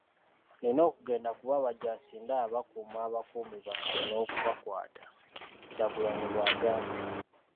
Nina okugenda kuba abajaasi ndaba bakuba abakuumi bange n'okubakwata.” Kyagulanyi bw'agambye.